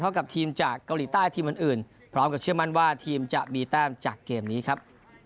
กับทีมจากเกาหลีใต้ทีมอื่นพร้อมกับเชื่อมั่นว่าทีมจะมีแต้มจากเกมนี้ครับ